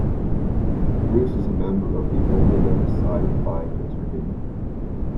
Bruce is a member of the Omega Psi Phi fraternity.